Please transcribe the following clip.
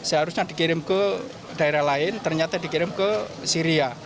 seharusnya dikirim ke daerah lain ternyata dikirim ke syria